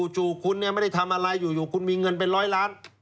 จู่คุณเนี่ยไม่ได้ทำอะไรอยู่คุณมีเงินเป็นร้อยล้าน